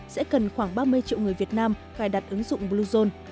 sẽ cần khoảng ba mươi triệu người việt nam cài đặt ứng dụng bluezone